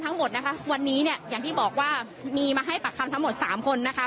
ทั้งหมดนะคะวันนี้เนี่ยอย่างที่บอกว่ามีมาให้ปากคำทั้งหมดสามคนนะคะ